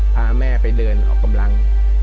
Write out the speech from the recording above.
พาแม่ไปเดินออกกำลัง